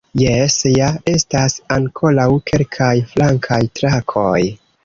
Jes ja, estas ankoraŭ kelkaj flankaj trakoj.